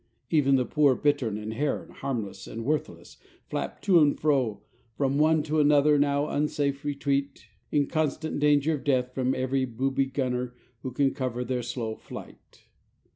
Even the poor bittern and heron, harmless and worthless, flap to and fro from one to another now unsafe retreat, in constant danger of death from every booby gunner who can cover their slow flight.